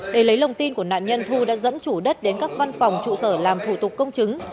để lấy lòng tin của nạn nhân thu đã dẫn chủ đất đến các văn phòng trụ sở làm thủ tục công chứng